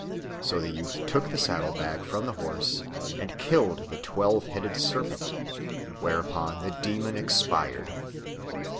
So the youth took the saddle bag from the horse and killed the twelve headed serpent, whereupon the demon expired.